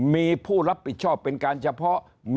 มีผู้รับผิดชอบเป็นการเฉพาะ